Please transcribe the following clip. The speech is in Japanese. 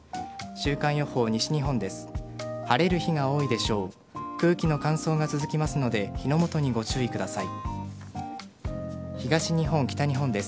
週間予報、西日本です。